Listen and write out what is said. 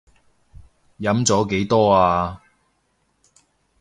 飲咗幾多呀？